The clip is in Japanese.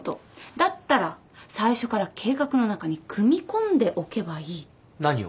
だったら最初から計画の中に組み込んでおけばいい。何を？